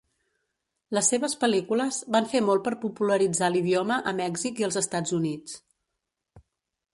Les seves pel·lícules van fer molt per popularitzar l'idioma a Mèxic i als Estats Units.